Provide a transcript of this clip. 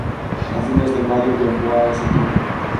A fines de Mayo viajó a ese club.